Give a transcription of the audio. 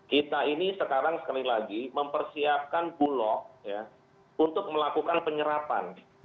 kita ini sekarang sekali lagi mempersiapkan bulog untuk melakukan penyerapan